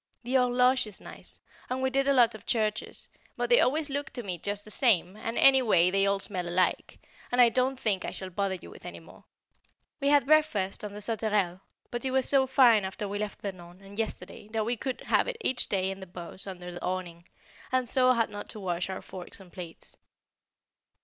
The Horloge is nice, and we did a lot of churches, but they always look to me just the same, and any way they all smell alike, and I don't think I shall bother with any more. We had breakfast on the Sauterelle, but it was so fine after we left Vernon, and yesterday, that we could have it each day in the bows under the awning, and so had not to wash our forks and plates.